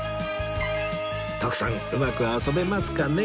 徳さんうまく遊べますかね？